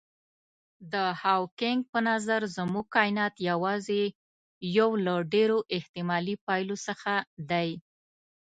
د هاوکېنګ په نظر زموږ کاینات یوازې یو له ډېرو احتمالي پایلو څخه دی.